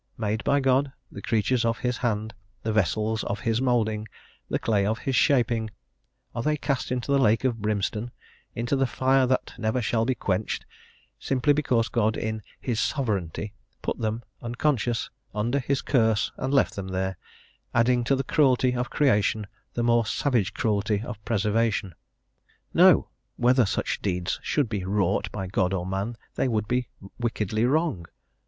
Made by God, the creatures of his hand, the vessels of his moulding, the clay of his shaping, are they cast into the lake of brimstone, into the fire that never shall be quenched, simply because God in "his sovereignty" put them unconscious under his curse and left them there, adding to the cruelty of creation the more savage cruelty of preservation? No! whether such deeds should be wrought by God or man, they would be wickedly wrong.